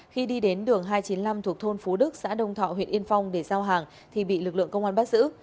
khi đi đến đường hai trăm chín mươi năm thuộc thôn phú đức xã đông thọ huyện yên phong để giao hàng thì bị lực lượng công an bắt giữ